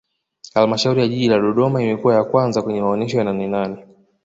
halmashauri ya jiji la dodoma imekuwa ya kwanza kwenye maonesho ya nanenane